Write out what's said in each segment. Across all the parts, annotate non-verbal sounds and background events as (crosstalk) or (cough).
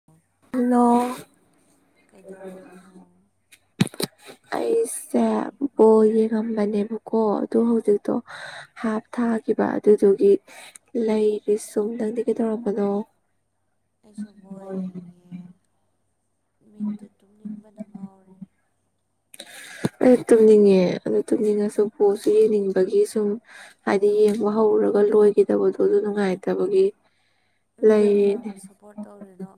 (unintelligible) ꯀꯩꯗꯧꯔꯝꯃꯤꯅꯣ ꯍꯜꯂꯣ (inaudible) ꯑꯩꯁꯦ ꯕꯣ ꯌꯦꯡꯉꯝꯕꯅꯦꯕꯀꯣ ꯑꯗꯨ ꯍꯧꯖꯤꯛꯇꯣ ꯍꯥꯞ ꯊꯥꯈꯤꯕ ꯑꯗꯨꯗꯨꯒꯤ ꯂꯩꯔꯤ ꯁꯨꯝ ꯅꯪꯗꯤ ꯀꯩꯗꯧꯔꯝꯕꯅꯣ ꯑꯩꯁꯨ ꯕꯣꯜ ꯌꯦꯡꯉꯤꯌꯦ ꯃꯤꯠꯇꯨ ꯇꯨꯝꯅꯤꯡꯕꯅ ꯉꯥꯎꯔꯦ ꯑꯩ ꯇꯨꯝꯅꯤꯡꯉꯦ ꯑꯗꯨꯣ ꯇꯨꯝꯅꯤꯡꯉꯁꯨ ꯕꯣꯜꯁꯨ ꯌꯦꯡꯅꯤꯡꯕꯒꯤ ꯁꯨꯝ ꯍꯥꯏꯗꯤ ꯌꯦꯡꯕ ꯍꯧꯔꯨꯔꯒ ꯂꯣꯏꯒꯤꯗꯕꯗꯣ ꯑꯗꯨ ꯅꯨꯡꯉꯥꯏꯇꯕꯒꯤ ꯅꯪ ꯂꯩꯔꯤꯅꯦ ꯀꯅꯥꯕꯨ ꯁꯄꯣꯠ ꯇꯧꯔꯤꯅꯣ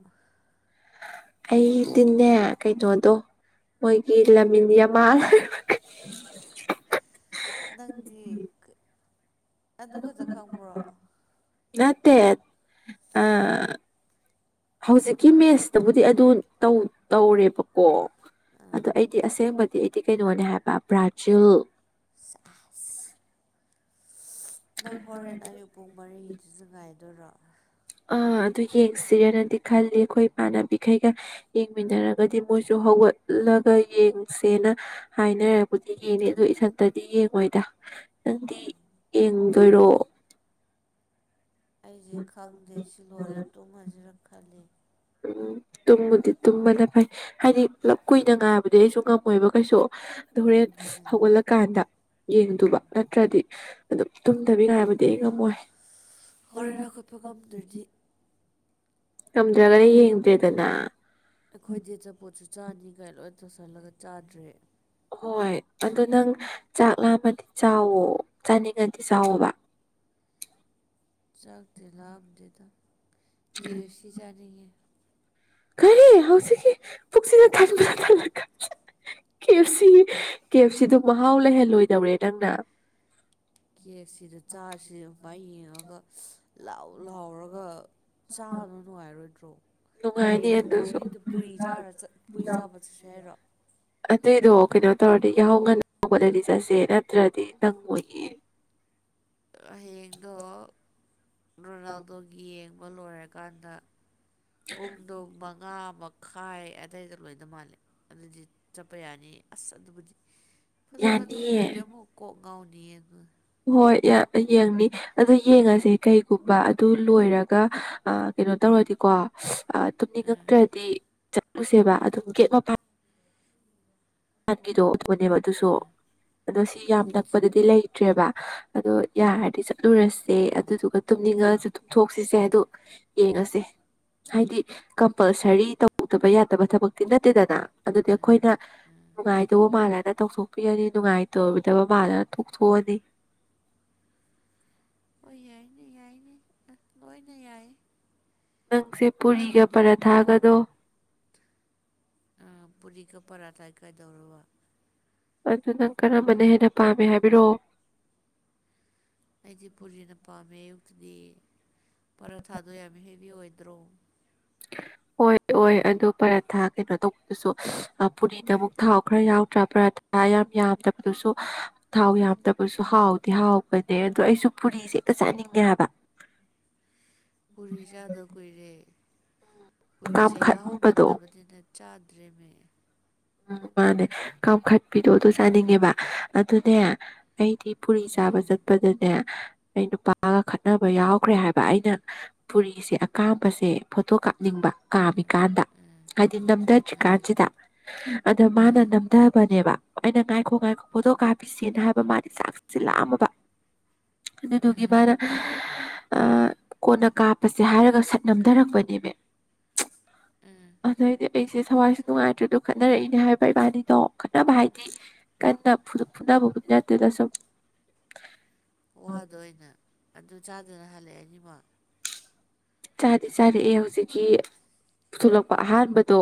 ꯑꯩꯗꯤꯅꯦ ꯀꯩꯅꯣꯗꯣ ꯃꯣꯏꯒꯤ ꯂꯃꯤꯟ ꯌꯥꯃꯜ ꯅꯪꯗꯤ ꯑꯗꯨ ꯈꯛꯇ ꯈꯪꯕ꯭ꯔꯣ ꯅꯠꯇꯦ ꯑꯥ ꯍꯧꯖꯤꯛ ꯀꯤ ꯃꯦꯁꯇꯕꯨꯗꯤ ꯑꯗꯨ ꯇꯧ ꯇꯧꯔꯦꯕꯀꯣ ꯑꯥ ꯑꯗꯣ ꯑꯩꯗꯤ ꯑꯁꯦꯡꯕꯗꯤ ꯑꯩꯗꯤ ꯀꯩꯅꯣꯅꯦ ꯍꯥꯏꯕ ꯕ꯭ꯔꯥꯖꯤꯜ ꯁꯦꯑꯁ ꯅꯪ ꯍꯣꯔꯦꯟ ꯑꯌꯨꯛ ꯄꯨꯡ ꯃꯔꯤꯒꯤꯗꯨꯁꯨ ꯉꯥꯏꯗꯣꯏꯔꯣ ꯑꯥ ꯑꯗꯨ ꯌꯦꯡꯁꯤꯔꯦꯅꯗꯤ ꯈꯜꯂꯤ ꯑꯩꯈꯣꯏ ꯏꯃꯥꯟꯅꯕꯤꯈꯩꯒ ꯌꯦꯡꯃꯤꯟꯅꯔꯒꯗꯤ ꯃꯣꯏꯁꯨ ꯍꯧꯒꯠꯂꯒ ꯌꯦꯡꯁꯦꯅ ꯍꯥꯏꯅꯔꯕꯨꯗꯤ ꯌꯦꯡꯉꯦ ꯑꯗꯣ ꯏꯊꯟꯇꯗꯤ ꯌꯦꯡꯉꯣꯏꯗ ꯅꯪꯗꯤ ꯌꯦꯡꯗꯣꯏꯔꯣ ꯑꯩꯁꯦ ꯈꯪꯗꯦ ꯁꯤ ꯂꯣꯏꯔ ꯇꯨꯝꯃꯁꯤꯔꯥ ꯈꯜꯂꯤ ꯎꯝ ꯇꯨꯝꯕꯨ ꯗꯤ ꯇꯨꯝꯕꯅ ꯐꯩ ꯍꯥꯏꯗꯤ ꯄꯨꯂꯞ ꯀꯨꯏꯅ ꯉꯥꯏꯕꯗꯤ ꯑꯩꯁꯨ ꯉꯝꯃꯣꯏꯕ ꯀꯩꯁꯨ ꯑꯗꯨ ꯍꯣꯔꯦꯟ ꯑꯗꯨꯅꯦ ꯍꯧꯒꯠꯂꯛ ꯀꯥꯟꯗ ꯌꯦꯡꯗꯨꯕ ꯅꯠꯇ꯭ꯔꯗꯤ ꯑꯗꯨꯝ ꯇꯨꯝꯗꯕꯤ ꯉꯥꯏꯕꯗꯤ ꯑꯩ ꯉꯝꯃꯣꯏ ꯍꯣꯔꯦꯟ ꯍꯧꯒꯠꯄ ꯉꯝꯗ꯭ꯔꯗꯤ ꯉꯝꯗ꯭ꯔꯒꯗꯤ ꯑꯩꯈꯣꯏ ꯌꯦꯡꯗꯦꯗꯅ ꯑꯩꯈꯣꯏꯗꯤ ꯑꯆꯥꯄꯣꯠꯁꯨ ꯆꯥꯅꯤꯒꯥꯏ ꯂꯣꯏ ꯇꯧꯁꯜꯂꯒ ꯆꯥꯗ꯭ꯔꯦ ꯍꯣꯏ ꯑꯗꯣ ꯅꯪ ꯆꯥꯛ ꯂꯥꯝꯃꯗꯤ ꯆꯥꯎꯋꯣ ꯆꯥꯅꯤꯡꯉꯗꯤ ꯆꯥꯎꯋꯣꯕ ꯆꯥꯛꯇꯤ ꯂꯥꯝꯗꯦꯗ ꯀꯦ ꯑꯦꯐ ꯁꯤ ꯆꯥꯅꯤꯡꯉꯦ ꯀꯔꯤ ꯍꯧꯖꯤꯛꯀꯤ ꯄꯨꯛꯁꯤꯗ ꯊꯟꯕꯨ ꯊꯟꯂꯀꯥꯟꯁꯤꯗ ꯀꯦ ꯑꯦꯐ ꯁꯤ ꯀꯦ ꯑꯦꯐ ꯁꯤꯗꯣ ꯃꯍꯥꯎ ꯂꯩꯍꯜꯂꯣꯏꯗꯧꯔꯦ ꯅꯪꯅ ꯀꯦꯐꯁꯤꯗꯨ ꯆꯥꯁꯤ ꯁꯨꯃꯥꯏ ꯌꯦꯡꯉꯒ ꯂꯥꯎ ꯂꯥꯎꯔꯒ ꯆꯥꯕꯗ ꯅꯨꯡꯉꯥꯏꯔꯣꯏꯗ꯭ꯔꯣ ꯅꯨꯡꯉꯥꯏꯅꯤ ꯍꯌꯦꯡ ꯄꯨꯡ ꯑꯗꯨꯁꯨ ꯃꯔꯤꯗ ꯄꯨꯔꯤ ꯆꯥꯔ ꯆꯠ ꯄꯨꯔꯤ ꯆꯥꯕ ꯆꯠꯁꯤ ꯍꯥꯏꯔꯣ ꯑꯗꯨꯏꯗꯣ ꯀꯩꯅꯣ ꯇꯧꯔꯗꯤ ꯌꯥꯍꯧ ꯉꯟꯅ ꯍꯧꯒꯠꯂꯗꯤ ꯆꯠꯁꯦ ꯅꯠꯇ꯭ꯔꯗꯤ ꯅꯪꯑꯣꯏꯌꯦ ꯑꯥ ꯍꯌꯦꯡꯗꯣ ꯔꯣꯅꯥꯜꯗꯣꯒꯤ ꯌꯦꯡꯕ ꯂꯣꯏꯔꯀꯥꯟꯗ ꯄꯨꯡꯗꯣ ꯃꯉꯥ ꯃꯛ ꯈꯥꯏ ꯑꯗꯩꯗ ꯂꯣꯏꯗꯣ ꯃꯥꯜꯂꯦ ꯑꯗꯨꯗꯤ ꯆꯠꯄ ꯌꯥꯅꯤ ꯑꯁ ꯑꯗꯨꯕꯨꯗꯤ ꯐꯖꯅ ꯇꯨꯝꯗ꯭ꯔꯗꯤ ꯌꯥꯅꯤꯌꯦ ꯑꯃꯨꯛ ꯀꯣꯛ ꯉꯥꯎꯅꯤꯌꯦ ꯑꯉꯥꯡ ꯍꯣꯏ ꯌꯥ ꯌꯦꯡꯅꯤ ꯑꯗꯨ ꯌꯦꯡꯉꯁꯦ ꯀꯩꯒꯨꯝꯕ ꯑꯥ ꯗꯨ ꯂꯣꯏꯔꯒ ꯑꯥ ꯀꯩꯅꯣ ꯇꯧꯔꯗꯤꯀꯣ ꯑꯥ ꯇꯨꯝꯅꯤꯡꯉꯛꯇ꯭ꯔꯗꯤ ꯆꯠꯂꯨꯁꯦꯕ ꯑꯗꯨꯒ ꯒꯦꯠ ꯃꯄꯥꯟ ꯃꯄꯥꯟꯒꯤꯗꯣ ꯑꯗꯨꯅꯦꯕ ꯑꯗꯨꯁꯨ ꯑꯗꯣ ꯁꯤ ꯌꯥꯝ ꯅꯛꯄꯗꯗꯤ ꯂꯩꯇ꯭ꯔꯦꯕ ꯑꯗꯣ ꯌꯥꯔꯗꯤ ꯆꯠꯂꯨꯔꯁꯦ ꯑꯗꯨꯗꯨꯒ ꯇꯨꯝꯅꯤꯡꯉꯛꯑꯁꯨ ꯇꯨꯝꯊꯣꯛꯁꯤꯁꯦ ꯑꯗꯨ ꯌꯦꯡꯉꯁꯤ ꯍꯥꯏꯗꯤ ꯀꯝꯄꯜꯁꯔꯤ ꯇꯧꯗꯕ ꯌꯥꯗꯕ ꯊꯕꯛꯇꯤ ꯅꯠꯇꯦꯗꯅ ꯑꯗꯨꯗꯤ ꯑꯩꯈꯣꯏꯅ ꯅꯨꯡꯉꯥꯏꯗꯧꯕ ꯃꯥꯂꯅ ꯇꯧꯊꯣꯛꯄꯤꯔꯅꯤ ꯅꯨꯡꯉꯥꯏꯇꯣꯏꯗꯕ ꯃꯥꯂꯅ ꯊꯣꯛꯊꯣꯛꯑꯅꯤ ꯍꯣꯏ ꯌꯥꯏꯅꯦ ꯌꯥꯏꯅꯦ ꯑꯥ ꯂꯣꯏꯅ ꯌꯥꯏꯌꯦ ꯅꯪꯁꯦ ꯄꯨꯔꯤꯒ ꯅꯪꯕꯨꯗꯤ ꯅꯈꯣꯟ ꯄꯔꯥꯊꯥꯒꯗꯣ ꯑꯥ ꯄꯨꯔꯤꯒ ꯄꯔꯥꯊꯥ ꯀꯩꯗꯧꯔꯕ ꯑꯗꯨ ꯅꯪ ꯀꯔꯝꯕꯅ ꯍꯦꯟꯅ ꯄꯥꯝꯃꯦ ꯍꯥꯏꯕꯤꯔꯛꯑꯣ ꯑꯩꯗꯤ ꯄꯨꯔꯤꯅ ꯄꯥꯝꯃꯦ ꯑꯌꯨꯛꯇꯗꯤ ꯄꯔꯊꯥꯗꯣ ꯌꯥꯝ ꯍꯦꯕꯤ ꯑꯣꯏꯗ꯭ꯔꯣ (inaudible) ꯑꯣꯏ ꯑꯣꯏ ꯑꯗꯨ ꯄꯔꯥꯊꯥ ꯀꯩꯅꯣ ꯇꯧꯕꯗꯨꯁꯨ ꯄꯨꯔꯤꯅ ꯑꯃꯨꯛ ꯊꯥꯎ ꯈꯔ ꯌꯥꯎꯗ꯭ꯔꯥ ꯄꯔꯥꯥ ꯑꯌꯥꯝ ꯌꯥꯝꯗꯕꯗꯨꯁꯨ ꯊꯥꯎ ꯌꯥꯝꯗꯕꯁꯨ ꯍꯥꯎꯗꯤ ꯍꯥꯎꯕꯅꯦ ꯑꯗꯣ ꯑꯩꯁꯨ ꯄꯨꯔꯤꯁꯦ ꯍꯦꯛꯇ ꯆꯥꯅꯤꯡꯉꯦ ꯍꯥꯏꯕ ꯄꯨꯔꯤ ꯆꯥꯗ ꯀꯨꯏꯔꯦ ꯄꯨꯔꯤꯁꯦ ꯌꯥꯍꯧ ꯀꯥꯝꯈꯠꯄꯗꯣ ꯉꯟꯗꯕꯅꯤꯅ ꯆꯥꯗ꯭ꯔꯦ ꯃꯤ ꯎꯝ ꯃꯥꯅꯦ ꯀꯥꯝꯈꯠꯄꯤꯗꯣ ꯑꯗꯨ ꯆꯥꯅꯤꯡꯉꯦꯕ ꯑꯗꯨꯅꯦ ꯑꯩꯗꯤ ꯄꯨꯔꯤ ꯆꯥꯕ ꯆꯠꯄꯗꯅꯦ ꯑꯩ ꯅꯨꯄꯥꯒ ꯈꯠꯅꯕ ꯌꯥꯎꯈ꯭ꯔꯦ ꯍꯥꯏꯕ ꯑꯩꯅ ꯄꯨꯔꯤꯁꯦ ꯑꯀꯥꯝꯕꯁꯦ ꯐꯣꯇꯣ ꯀꯥꯞꯅꯤꯡꯕ ꯀꯥꯝꯃꯤꯀꯥꯟꯗ ꯍꯥꯏꯗꯤ ꯅꯝꯗꯗ꯭ꯔꯤꯀꯥꯟꯁꯤꯗ ꯑꯗ ꯃꯥꯅ ꯑꯥ ꯅꯝꯗꯕꯅꯦꯕ ꯑꯩꯅ ꯉꯥꯏꯈꯣ ꯉꯥꯏꯈꯣ ꯐꯣꯇꯣ ꯀꯥꯞꯈꯤ ꯁꯦꯅ ꯍꯥꯏꯕ ꯃꯥꯗꯤ ꯆꯥꯛꯁꯤ ꯂꯥꯝꯃꯕ ꯑꯗꯨꯏꯗꯨꯒꯤ ꯑꯥ ꯃꯥꯅ ꯑꯥ ꯀꯣꯟꯅ ꯀꯥꯞꯄꯁꯦ ꯍꯥꯏꯔꯒ ꯁꯠ ꯅꯝꯗꯔꯛꯄꯅꯦꯃꯤ ꯑꯥ ꯑꯗꯩꯗꯤ ꯑꯩꯁꯦ ꯊꯋꯥꯏꯁꯦ ꯅꯨꯡꯉꯥꯏꯇ꯭ꯔꯦ ꯑꯗꯨꯝ ꯈꯠꯅꯔꯛꯏꯅꯦ ꯍꯥꯏꯔꯤꯕ ꯏꯕꯥꯅꯤꯗꯣ ꯈꯠꯅꯕ ꯍꯥꯏꯗꯤ ꯀꯟꯅ ꯐꯨ ꯐꯨꯅꯕꯕꯨꯗꯤ ꯅꯠꯇꯦꯗ ꯁꯨꯝ ꯋꯥꯗꯣ ꯑꯣꯏꯅ ꯑꯗꯨꯝ ꯆꯥꯗꯅ ꯍꯜꯂꯛꯑꯦ ꯑꯅꯤꯃꯛ ꯆꯥꯗꯤ ꯆꯥꯔꯛꯑꯦ ꯍꯧꯖꯤꯛꯀꯤ ꯄꯨꯊꯣꯂꯛꯄ ꯑꯍꯥꯟꯕꯗꯣ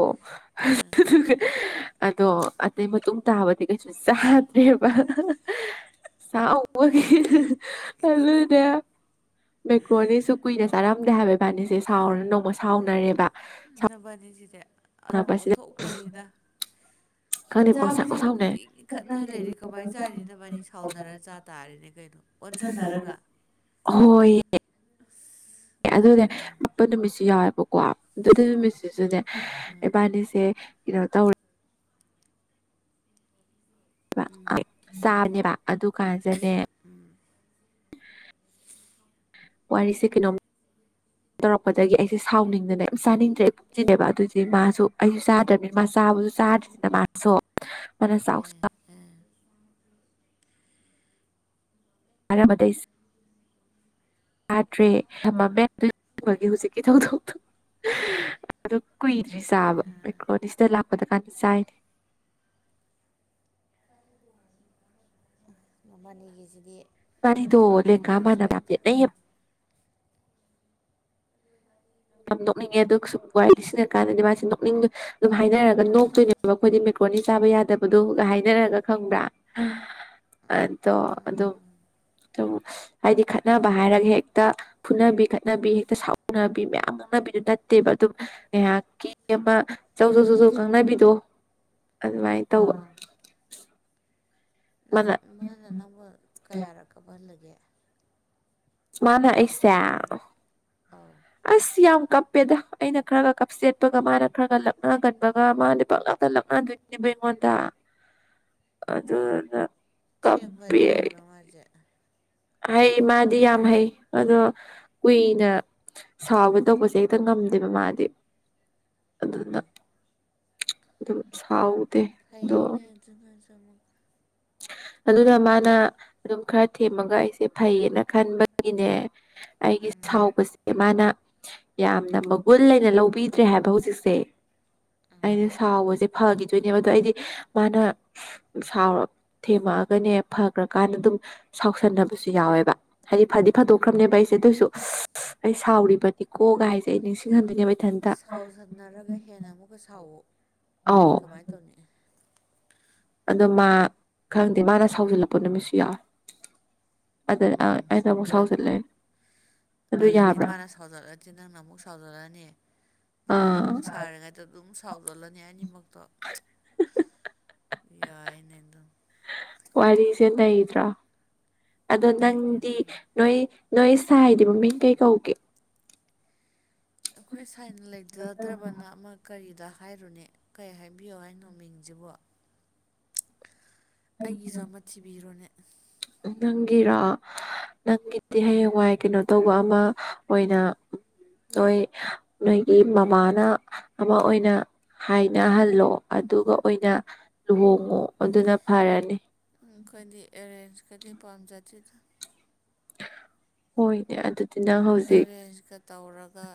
ꯑꯗꯣ ꯑꯗꯨꯏ ꯃꯇꯨꯡ ꯇꯥꯕꯗꯤ ꯀꯩꯁꯨ ꯆꯥꯗ꯭ꯔꯦꯕ ꯁꯥꯎꯕꯒꯤ ꯑꯗꯨꯏꯅꯦ ꯃꯦꯀ꯭ꯔꯣꯅꯤꯁꯨ ꯀꯨꯏꯅ ꯆꯥꯔꯝꯗꯦ ꯍꯥꯏꯕ ꯏꯕꯅꯤꯁꯤ ꯁꯥꯎꯔ ꯅꯣꯡꯃ ꯁꯥꯎꯅꯔꯦꯕ ꯅꯕꯥꯟꯅꯤꯁꯤꯗꯤ ꯑꯟ ꯁꯥꯎꯅꯕꯁꯤꯗ ꯑꯣꯟꯊꯣꯛꯄꯅꯤꯗ ꯈꯪꯗꯦ ꯆꯥꯕ ꯄꯪꯁꯥꯎ ꯆꯠꯄ ꯁꯥꯎꯅꯩ ꯈꯨꯗꯤꯡꯒꯤ ꯈꯠꯅ ꯂꯩꯔꯦ ꯀꯃꯥꯏ ꯆꯥꯔꯤꯅꯣ ꯅꯕꯥꯟꯅꯤ ꯁꯥꯎꯅꯔ ꯆꯥ ꯇꯥꯔꯦꯅꯦ ꯀꯩꯅꯣ ꯑꯣꯟꯁꯟꯅꯔꯒ ꯍꯣꯏꯌꯦ ꯑꯗꯨꯅꯦ ꯕꯦꯔꯥꯅꯤ ꯄ ꯅꯨꯃꯤꯠꯁꯨ ꯌꯥꯎꯋꯦꯕꯀꯣ ꯑꯗꯨ ꯗꯨ ꯅꯨꯃꯤꯠꯁꯤꯁꯨꯅꯦ ꯏꯕꯥꯅꯤꯁꯦ ꯀꯩꯅꯣ ꯇꯧꯔꯦ ꯕ ꯑ ꯆꯥꯕꯅꯦꯕ ꯑꯗꯨ ꯀꯥꯟꯁꯤꯗꯅꯦ ꯎꯝ ꯋꯥꯔꯤꯁꯦ ꯀꯩꯅꯣꯝ ꯇꯧꯔꯛꯄꯗꯒꯤ ꯑꯩꯁꯦ ꯁꯥꯎꯅꯤꯡꯗꯅ ꯌꯥꯝ ꯆꯥꯅꯤꯡꯗ꯭ꯔꯦꯕ ꯆꯤꯅꯦꯕ ꯑꯗꯨꯗꯤ ꯃꯥꯁꯨ ꯑꯩꯁꯨ ꯆꯥꯗ꯭ꯔꯕꯅꯤ ꯃꯥ ꯆꯥꯕꯁꯨ ꯆꯥꯗ꯭ꯔꯤꯗꯅ ꯃꯥꯁꯨ ꯃꯥꯅ ꯆꯥꯎ ꯆꯥ ꯑ ꯑꯥꯏꯔꯝꯃꯗꯩꯁ ꯑꯥꯗ꯭ꯔꯦ ꯊꯝꯃꯝꯃꯦ ꯑꯗꯨꯏ ꯃꯒꯤ ꯍꯨꯖꯤꯛꯀꯤ ꯊꯧꯗꯣꯛꯇꯣ ꯑꯗꯣ ꯀꯨꯏꯗ꯭ꯔꯤ ꯆꯥꯕ ꯃꯦꯀ꯭ꯔꯣꯅꯤ ꯁꯤꯗ ꯂꯥꯛꯄꯗꯀꯥꯟꯗ ꯆꯥꯏꯅꯦ ꯅꯃꯥꯅꯤꯒꯤꯁꯤꯗꯤ ꯃꯥꯅꯤꯗꯣ ꯌꯥꯝ ꯂꯦꯡꯒꯥ ꯗꯤꯄ꯭ꯔꯦꯁ ꯃꯥꯟꯅꯕ ꯌꯥꯝ ꯑꯣꯏꯗ ꯌꯦꯠꯅꯩꯌꯦ ꯌꯥꯝ ꯅꯣꯛꯅꯤꯡꯉꯦ ꯑꯗꯨ ꯁꯨꯝ ꯋꯥꯔꯤ ꯅꯤꯡꯁꯤꯡꯅꯔ ꯀꯥꯟꯗꯗꯤ ꯃꯥꯁꯤ ꯅꯣꯛꯅꯤꯡꯗ ꯑꯗꯨꯝ ꯍꯥꯏꯅꯔꯒ ꯅꯣꯛꯇꯣꯏꯅꯦꯕ ꯑꯩꯈꯣꯏꯗꯤ ꯃꯦꯀ꯭ꯔꯣꯅꯤ ꯆꯥꯕ ꯌꯥꯗꯕꯗꯨꯒ ꯍꯥꯏꯅꯔꯒ ꯈꯪꯕ꯭ꯔꯥ ꯑꯗꯣ ꯑꯗꯨꯝ ꯇꯨꯝ ꯍꯥꯏꯗꯤ ꯈꯠꯅꯕ ꯍꯥꯏꯔꯒ ꯍꯦꯛꯇ ꯐꯨꯅꯕꯤ ꯈꯠꯅꯕꯤ ꯍꯦꯛꯇ ꯁꯥꯎꯅꯕꯤ ꯃꯌꯥꯝ ꯌꯥꯝ ꯉꯥꯡꯅꯕꯤꯗꯣ ꯅꯠꯇꯦꯕ ꯑꯗꯨꯝ ꯉꯥꯏꯍꯥꯛꯀꯤ ꯑꯃ ꯖꯧ ꯖꯧ ꯖꯧ ꯖꯧ ꯉꯥꯡꯅꯕꯤꯗꯣ ꯑꯗꯨꯃꯥꯏꯟ ꯇꯧꯕ ꯑꯥ ꯅꯪ ꯃꯥꯅ ꯅꯪꯕꯨ ꯀꯌꯥꯔꯛ ꯀꯥꯞꯍꯜꯂꯒꯦ ꯃꯥꯅ ꯑꯩꯁꯦ ꯑꯧ ꯑꯁ ꯌꯥꯝ ꯀꯞꯄꯦꯗ ꯑꯩꯅ ꯈꯔꯒ ꯀꯞꯆꯦꯠꯄꯒ ꯃꯥꯅ ꯈꯔꯒ ꯂꯛꯅꯒꯟꯕꯒ ꯃꯥꯗꯤ ꯄꯪꯂꯛꯇ ꯂꯛꯅꯗꯣꯏ ꯅꯦꯕ ꯑꯩꯉꯣꯟꯗ ꯑꯗꯨꯗꯨꯅ ꯊꯦꯝꯕꯗꯤ ꯍꯩꯕ꯭ꯔꯣ ꯃꯥꯖꯦ ꯍꯩ ꯃꯥꯗꯤ ꯌꯥꯝ ꯍꯩ ꯑꯗꯣ ꯀꯨꯏꯅ ꯁꯥꯎꯒꯗꯧꯕꯁꯦ ꯍꯦꯛꯇ ꯉꯝꯗꯦꯕ ꯃꯥꯗꯤ ꯑꯗꯨꯗꯨꯅ ꯑꯗꯨ ꯁꯥꯎ ꯐꯩꯅꯦ ꯑꯗꯨꯅꯁꯨ ꯑꯃꯨꯛ ꯑꯗꯨꯅ ꯃꯥꯅ ꯑꯗꯨꯝ ꯈꯔ ꯊꯦꯝꯃꯒ ꯑꯩꯁꯦ ꯐꯩꯌꯦꯅ ꯈꯟꯕꯒꯤꯅꯦ ꯑꯩꯒꯤ ꯎꯝ ꯁꯥꯎꯕꯁꯦ ꯃꯥꯅ ꯌꯥꯝꯅ ꯃꯒꯨꯟ ꯂꯩꯅ ꯂꯧꯕꯤꯗ꯭ꯔꯦ ꯍꯥꯏꯕ ꯍꯧꯖꯤꯛꯁꯦ ꯑꯩꯅ ꯁꯥꯎꯕꯁꯦ ꯐꯒꯤꯗꯣꯏꯅꯦꯕ ꯑꯗꯣ ꯑꯩꯗꯤ ꯃꯥꯅ ꯁꯥꯎꯔ ꯊꯦꯝꯃꯛꯑꯒꯅꯦ ꯐꯒ꯭ꯔꯀꯥꯟꯗ ꯑꯗꯨꯝ ꯁꯥꯎꯁꯟꯅꯕꯁꯨ ꯌꯥꯎꯋꯦꯕ ꯍꯥꯏꯗꯤ ꯐꯗꯤ ꯎꯝ ꯐꯥꯗꯣꯛꯈ꯭ꯔꯕꯅꯦꯕ ꯑꯩꯁꯦ ꯑꯗꯨꯑꯣꯏꯁꯨ ꯑꯩ ꯁꯥꯎꯔꯤꯕꯅꯤꯀꯣ ꯒꯥꯏꯁꯦ ꯑꯩ ꯅꯤꯡꯁꯤꯡꯍꯟꯗꯣꯏꯅꯦꯕ ꯑꯩ ꯏꯊꯟ ꯁꯥꯎꯖꯟꯅꯔꯒ ꯍꯦꯟꯅ ꯑꯃꯨꯛꯀ ꯁꯥꯎꯋꯣ ꯃꯗꯤ ꯑꯧ ꯀꯃꯥꯏꯅ ꯇꯧꯅꯤ ꯑꯗꯣ ꯃꯥ ꯈꯪꯗꯦ ꯃꯥꯅ ꯁꯥꯎꯖꯜꯂꯛꯄ ꯅꯨꯃꯤꯠꯁꯨ ꯌꯥꯎꯋꯦ ꯑꯗ ꯑꯥ ꯑꯩꯅ ꯑꯃꯨꯛ ꯑꯗꯨꯠ ꯁꯥꯎꯁꯤꯜꯂꯦ꯫ ꯑꯗꯨꯗꯤ ꯃꯥꯅ ꯁꯥꯎꯖꯔꯛꯑꯗꯤ ꯅꯪꯅ ꯑꯃꯨꯛ ꯁꯥꯎꯖꯔꯛꯑꯅꯤ ꯐꯨꯡ ꯑꯥ ꯐꯨꯡ ꯁ ꯁꯥꯔꯤꯉꯩꯗ ꯑꯗꯨꯝ ꯁꯥꯎꯗꯜꯂꯅꯤ ꯑꯅꯤꯃꯛꯇꯣ ꯌꯥꯏꯅꯦ ꯑꯗꯨ꯫ ꯋꯥꯔꯤꯁꯦ ꯂꯩꯗ꯭ꯔꯣ ꯑꯗꯣ ꯅꯩꯔꯦ ꯅꯪꯗꯤ ꯅꯩꯔꯦ ꯅꯣꯏ ꯅꯣꯏ ꯁꯥꯏꯗꯤ ꯃꯃꯤꯡ ꯀꯩ ꯀꯧꯒꯦ? ꯑꯈꯣꯏ ꯁꯥꯏꯅ ꯂꯩꯖꯗ꯭ꯔꯕꯅ ꯑꯃꯛ ꯀꯔꯤꯗ ꯍꯥꯏꯔꯨꯅꯤ ꯀꯩ ꯍꯥꯏꯕꯤꯌꯣ ꯍꯥꯏꯅꯣ ꯃꯤꯡꯁꯤꯕꯣ? ꯑꯩꯒꯤꯁꯨ ꯑꯃ ꯊꯤꯕꯤꯔꯣꯅꯦ꯫ ꯎꯝ ꯅꯪꯒꯤꯔꯥ? ꯅꯪꯒꯤꯗꯤ ꯍꯌꯦꯡꯋꯥꯏ ꯀꯩꯅꯣ ꯇꯧꯕ ꯑꯃ ꯑꯣꯏꯅ ꯅꯣꯏ ꯅꯣꯏꯒꯤ ꯃꯃꯥꯅ ꯑꯃ ꯑꯣꯏꯅ ꯍꯥꯏꯅꯍꯜꯂꯣ ꯑꯗꯨꯒ ꯑꯣꯏꯅ ꯂꯨꯍꯣꯡꯉꯣ ꯑꯗꯨꯅ ꯐꯔꯅꯤ꯫ ꯎꯝ ꯑꯈꯣꯏꯗꯤ ꯑꯦꯔꯦꯟꯖ ꯀꯗꯤ ꯄꯥꯝꯖꯗꯤꯦꯗ꯫ ꯍꯣꯏꯅꯦ ꯑꯗꯨꯗꯤ ꯅꯪ ꯍꯧꯖꯤꯛ ꯑꯦꯔꯦꯟꯖꯀ ꯇꯧꯔꯒ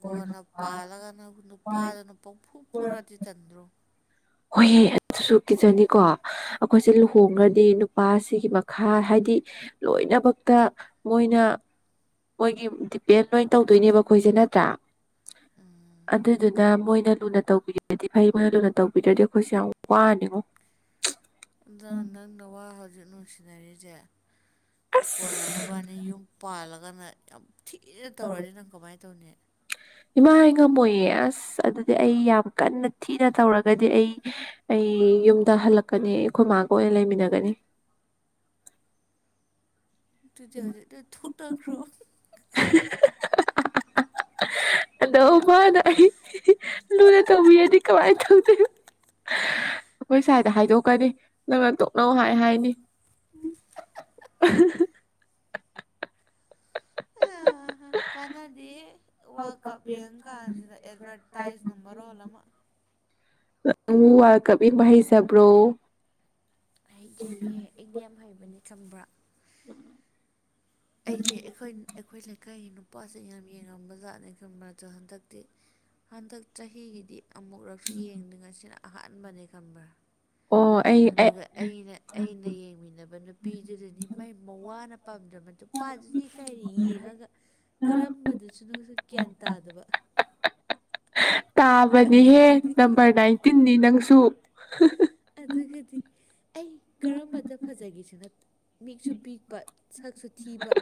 ꯀꯣꯟꯅ ꯄꯥꯜꯂꯒꯅ ꯅꯨꯄꯥꯗꯨꯅ ꯄꯪꯐꯨ ꯐꯨꯔꯗꯤ ꯇꯟꯗ꯭ꯔꯣ? ꯍꯣꯏꯍꯦ ꯑꯗꯨꯁꯨ ꯀꯤꯖꯅꯤꯀꯣ ꯑꯩꯈꯣꯏꯁꯦ ꯂꯨꯍꯣꯡꯉ꯭ꯔꯗꯤ ꯅꯨꯞ ꯅꯨꯄꯥꯁꯤꯒꯤ ꯃꯈꯥ ꯍꯥꯏꯗꯤ ꯂꯣꯏꯅꯃꯛꯇ ꯃꯣꯏꯅ ꯃꯣꯏꯒꯤ ꯗꯤꯄꯦꯟ ꯂꯣꯏ ꯇꯧꯗꯣꯏꯅꯦꯕ ꯑꯩꯈꯣꯏꯁꯦ ꯅꯠꯇ꯭ꯔꯥ? ꯑꯗꯨꯗꯨꯅ ꯃꯣꯏꯅ ꯂꯨꯅ ꯇꯧꯕꯤꯔꯗꯤ ꯐꯩ ꯃꯣꯏꯅ ꯂꯨꯅ ꯇꯧꯕꯤ ꯕꯤꯗ꯭ꯔꯗꯤ ꯑꯩꯈꯣꯏꯁꯦ ꯌꯥꯝ ꯋꯥꯅꯤꯉꯣ꯫ ꯑꯗꯣ ꯅꯪꯅ ꯅꯋꯥ ꯍꯧꯖꯤꯛ ꯅꯨꯡꯁꯤꯅꯔꯤꯁꯦ ꯑꯁ ꯀꯣꯟꯅ ꯅꯕꯅꯤ ꯌꯨꯝ ꯄꯥꯜꯂꯒꯅ ꯌꯥꯝ ꯊꯤꯅ ꯇꯧꯔꯛꯑꯅꯤ ꯅꯪ ꯀꯃꯥꯏꯅ ꯇꯧꯅꯤ꯫ ꯏꯃꯥ ꯑꯩ ꯉꯝꯃꯣꯏꯌꯦ ꯑꯁ ꯑꯗꯨꯗꯤ ꯑꯩ ꯌꯥꯝ ꯀꯟꯅ ꯊꯤꯅ ꯇꯧꯔꯒꯗꯤ ꯑꯩ ꯑꯩ ꯌꯨꯝꯗ ꯍꯜꯂꯛꯀꯅꯤ ꯑꯩꯈꯣꯏ ꯃꯥꯒ ꯑꯣꯏꯅ ꯂꯩꯃꯤꯟꯅꯒꯅꯤ꯫ ꯑꯗꯨꯨꯗꯤ ꯍꯧꯖꯤꯛꯇꯩ ꯊꯨꯛꯅꯈ꯭ꯔꯣ꯫ (inaudible) ꯑꯗꯣ ꯃꯥꯅ ꯑꯩ ꯂꯨꯅ ꯇꯧꯕꯤꯔꯗꯤ ꯀꯃꯥꯏꯅ ꯇꯧꯗꯣꯏꯕ ꯑꯈꯣꯏ ꯁꯥꯏꯗ ꯍꯥꯏꯗꯣꯛꯀꯅꯤ ꯅꯪꯅ ꯇꯣꯛ ꯅꯧ ꯍꯥꯏ ꯍꯥꯏꯅꯤ꯫ ꯀꯥꯟꯅꯗꯦ ꯋꯥꯔꯜ ꯀꯞ ꯌꯦꯡ ꯀꯥꯟꯁꯤꯗ ꯑꯦꯗꯚꯔꯇꯥꯏꯁ ꯅꯝꯕꯔ ꯔꯣꯜ ꯑꯃ ꯅꯪꯕꯨ ꯋꯥꯔꯜ ꯀꯞ ꯌꯦꯡꯕ ꯍꯩꯖꯕ꯭ꯔꯣ? ꯍꯩꯖꯩꯌꯦ ꯑꯩꯗꯤ ꯌꯥꯝ ꯍꯩꯕꯅꯦ ꯈꯪꯕ꯭ꯔꯥ ꯑꯩꯗꯤ ꯑꯩꯈꯣꯏ ꯑꯩꯈꯣꯏ ꯂꯩꯀꯥꯏꯒꯤ ꯅꯨꯄꯥꯁꯤꯡ ꯌꯥꯝ ꯌꯦꯡꯉꯝꯕ ꯖꯥꯠꯅꯤ ꯈꯪꯕ ꯗꯣ ꯍꯟꯗꯛꯇꯤ ꯍꯟꯗꯛ ꯆꯍꯤꯒꯤꯗꯤ ꯑꯃꯨꯛꯨꯔꯛꯁꯨ ꯌꯦꯡꯗꯦ ꯉꯁꯤꯅ ꯑꯍꯥꯟꯕꯅꯦ ꯈꯪꯕ꯭ꯔꯥ꯫ ꯑꯣꯠ ꯑꯗꯨꯒ ꯑꯩꯅ ꯑꯩꯅ ꯌꯦꯡꯃꯤꯟꯅꯕ ꯅꯨꯄꯤꯗꯨꯗꯅꯤ ꯃꯩ ꯃ ꯋꯥꯅ ꯄꯥꯝꯖꯕꯗꯨ ꯅꯨꯄꯥꯗꯨꯗꯤ ꯀꯔꯤ ꯌꯦꯡꯉꯒ ꯀꯔꯝꯕꯗꯁꯨꯅꯨꯁꯦ ꯒ꯭ꯌꯥꯟ ꯇꯥꯗꯕ ꯇꯥꯕꯅꯤꯍꯦ ꯑꯗꯨꯒꯗꯤ ꯅꯝꯕꯔ ꯅꯥꯏꯟꯇꯤꯟꯗꯤ ꯅꯪꯁꯨ꯫ ꯑꯗꯨꯒꯗꯤ ꯑꯩ ꯀꯔꯝꯕꯗ ꯐꯖꯒꯦꯁꯦꯅ ꯃꯤꯛꯁꯨ ꯄꯤꯛꯄ ꯁꯛꯁꯨ ꯊꯤꯕ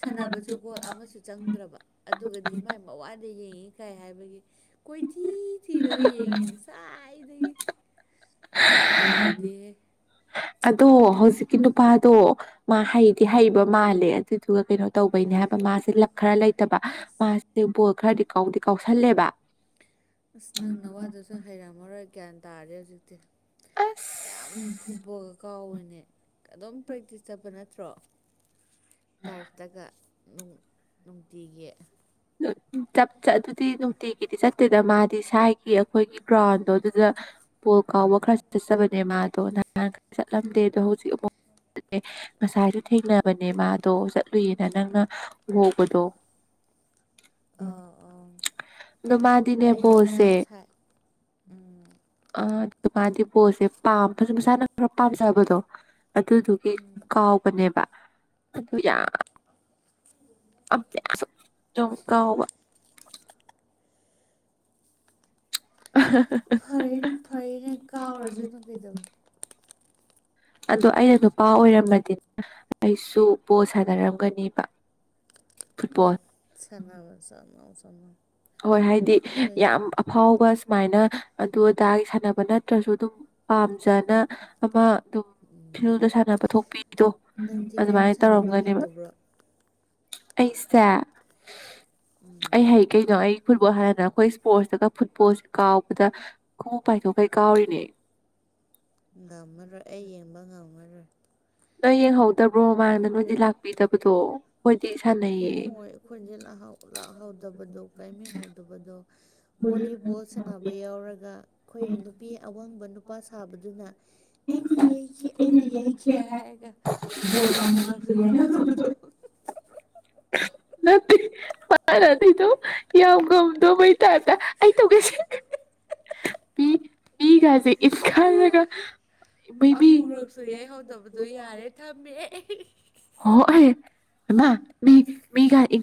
ꯁꯥꯟꯅꯕꯁꯨ ꯒꯣꯜ ꯑꯃꯁꯨ ꯆꯪꯗ꯭ꯔꯕ ꯑꯗꯨꯒꯗꯤ ꯃꯥꯏ ꯄꯋꯥꯗ ꯌꯦꯡꯉꯤ ꯈꯥꯏ ꯍꯥꯏꯕꯒꯤ ꯀꯣꯏꯊꯤ ꯊꯤꯔꯒ ꯌꯦꯡꯉꯤ ꯁꯋꯥꯥꯏꯗꯒꯤ꯫ ꯀꯟꯅꯗꯦ ꯑꯗꯣ ꯍꯧꯖꯤꯛꯀꯤ ꯅꯨꯄꯥꯗꯣ ꯃꯥ ꯍꯩꯗꯤ ꯍꯩꯕ ꯃꯥꯜꯂꯦ ꯑꯗꯨꯗꯨꯒ ꯀꯩꯅꯣ ꯇꯧꯕꯩꯅꯦ ꯍꯥꯏꯕ ꯃꯥꯁꯦ ꯂꯛ ꯈꯔ ꯂꯩꯇꯕ ꯃꯥꯁꯦ ꯕꯣꯜ ꯈꯔꯗꯤ ꯀꯥꯎ ꯀꯥꯎꯁꯜ ꯑ ꯅꯪꯅꯋꯥꯗ ꯁ ꯍꯩꯔꯝꯃꯔꯣꯏ ꯒ꯭ꯌꯥꯟ ꯇꯥꯔꯦ ꯍꯧꯖꯤꯛꯇꯤ ꯌꯥꯝ ꯑꯁ ꯐꯨꯠꯕꯣꯜ ꯀꯥꯎꯏꯅꯦ ꯑꯗꯨꯝ ꯄ꯭ꯔꯦꯛꯇꯤꯁ ꯆꯠꯄ ꯅꯠꯇꯔꯣ ꯇ꯭ꯔꯕꯇꯥꯒ ꯅꯨꯡ ꯅꯨꯡꯇꯤꯒꯤ (inaudible) ꯆꯞ ꯆꯠ ꯑꯗꯨꯗꯤ ꯅꯨꯡꯇꯤꯒꯤꯗꯤ ꯆꯠꯇꯦꯗ ꯃꯥꯗꯤ ꯁꯥꯏꯒꯤ ꯑꯩꯈꯣꯏꯒꯤ ꯒ꯭ꯔꯥꯎꯟꯗꯣ ꯑꯗꯨꯗ ꯕꯣꯜ ꯀꯥꯎꯕ ꯑꯥ ꯈꯔ ꯆꯠꯆꯕꯅꯦ ꯃꯥꯗꯣ ꯅꯍꯥꯟ ꯈꯔ ꯆꯠꯂꯝꯗꯦ ꯑꯗꯣ ꯍꯧꯖꯤꯛ ꯑꯃꯨꯛ ꯉꯁꯥꯏꯁꯨ ꯊꯦꯡꯅꯕꯅꯦ ꯃꯥꯗꯣ ꯆꯠꯂꯨꯏꯌꯦꯅ ꯅꯪꯅ ꯎꯍꯧꯕꯗꯣ ꯑꯥ ꯑꯥ ꯗꯨꯃꯥꯗꯤꯅꯦ ꯑꯩꯗꯤ ꯅꯪ ꯕꯣꯜꯁꯦ ꯁꯥꯏ ꯎꯝ ꯑ ꯑꯗꯨ ꯃꯥꯗꯤ ꯄꯣꯜꯁꯦ ꯄꯥꯝ ꯃꯁꯥꯅ ꯈꯔ ꯄꯥꯝꯖꯕꯗꯣ ꯑꯗꯨꯗꯨꯒꯤ ꯎꯝ ꯀꯥꯎ ꯅꯦꯕ ꯑꯗꯨ ꯌꯥꯝ ꯆꯧꯀꯥꯎꯕ (unintelligible) ꯐꯔꯦꯅꯦ ꯐꯔꯦꯅꯦ ꯀꯥꯎꯔꯁꯨꯅꯨ ꯀꯩꯗꯧꯅꯤ ꯑꯗꯣ ꯑꯩꯅ ꯅꯨꯄꯥ ꯑꯣꯏꯔꯝꯃꯗꯤꯅꯦ ꯑꯩꯁꯨ ꯕꯣꯜ ꯁꯥꯟꯅꯔꯝꯒꯅꯤꯕ ꯐꯨꯠꯕꯣꯜ ꯁꯅꯕ ꯁꯅꯣ ꯁꯅꯣ ꯍꯣꯏ ꯍꯥꯏꯗꯤ ꯌꯥꯝ ꯐꯥꯎꯕ ꯁꯨꯃꯥꯏꯅ ꯑꯗꯨ ꯑꯗꯥꯒꯤ ꯁꯥꯟꯅꯕ ꯅꯠꯇ꯭ꯔꯁꯨ ꯑꯗꯨꯝ ꯄꯥꯝꯖꯅ ꯑꯃ ꯑꯗꯨꯝ ꯎꯝ ꯐꯤꯜꯗ ꯁꯥꯟꯅꯕ ꯊꯣꯛꯄꯤꯗꯣ ꯅꯪꯗꯤ ꯀꯔꯤꯝ ꯑꯗꯨꯃꯥꯏꯅ ꯁꯥꯟꯅꯕ ꯇꯧꯔꯝꯒꯅꯦꯕ ꯍꯩꯇꯕ꯭ꯔꯣ ꯑꯩꯁꯦ ꯎꯝ ꯑꯩ ꯍꯩ ꯀꯩꯅꯣ ꯑꯩ ꯐꯨꯠꯕꯣꯜ ꯍꯥꯟꯅ ꯑꯩꯈꯣꯏ ꯏꯁꯄꯣꯔꯠꯁꯇꯒ ꯐꯨꯠꯕꯣꯜ ꯀꯥꯎꯕꯗ ꯈꯨꯝꯎꯞ ꯄꯥꯏꯊꯣꯛꯈꯩ ꯀꯥꯎꯔꯤꯅꯦ ꯅꯝꯃꯔꯣꯏ ꯑꯩ ꯌꯦꯡꯕ ꯉꯝꯃꯔꯣꯏ ꯅꯣꯏ ꯌꯦꯡꯍꯧꯗꯕ꯭ꯔꯣ ꯃꯃꯥꯡꯗ ꯅꯣꯏꯗꯤ ꯂꯥꯛꯄꯤꯗꯕꯗꯣ ꯈꯣꯏꯗꯤ ꯁꯥꯟꯅꯩꯌꯦ ꯈꯣꯏꯗꯤ ꯂꯥꯛꯍꯧ ꯂꯥꯛꯍꯧꯗꯕꯗꯣ ꯀꯩꯝ ꯌꯦꯡꯍꯧꯗꯕꯗꯣ ꯕꯣꯂꯤꯕꯣꯜ ꯁꯥꯟꯅꯕ ꯌꯥꯎꯔꯒ ꯈꯣꯏ ꯅꯨꯄꯤ ꯑꯋꯥꯡꯕ ꯅꯨꯄꯥ ꯁꯥꯕꯗꯨꯅ ꯑꯩꯗꯤ ꯌꯩꯈꯤ ꯑꯩꯅ ꯌꯩꯈꯤ ꯍꯥꯏꯔꯒ ꯕꯣꯜ ꯑꯃꯨꯔꯛ ꯌꯩꯍꯧꯗꯕꯗꯣ ꯅꯠꯇꯦ ꯃꯥꯅ ꯑꯗꯨꯏꯗꯣ ꯌꯥꯝ ꯉꯝꯗꯧꯇꯥꯏꯞꯇ ꯑꯩ ꯇꯧꯒꯦꯁꯦ ꯃꯤ ꯃꯤꯒꯥꯁꯦ ꯏꯟꯈꯥꯏꯔꯒ ꯑꯃꯨꯔꯛꯁꯨ ꯌꯩꯍꯧꯗꯕꯗꯣ ꯌꯥꯔꯦ ꯊꯝꯃꯦ ꯑꯩ ꯍꯣ ꯑꯩ ꯍꯩꯃꯥ ꯃꯤ ꯃꯤ ꯀꯥꯔꯛꯑꯦ